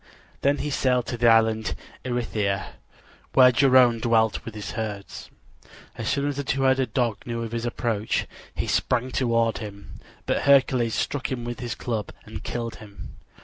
Then he sailed to the island Erythia, where Geryone dwelt with his herds. As soon as the two headed dog knew of his approach he sprang toward him; but Hercules struck him with his club and killed him.